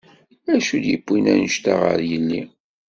Acu d-yiwin anect-a ɣer yelli?